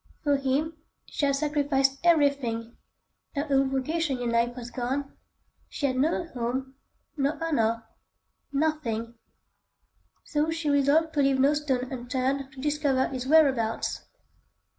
For him she had sacrificed everything: her old vocation in life was gone, she had no home, no honour,—nothing, so she resolved to leave no stone unturned to discover his whereabouts.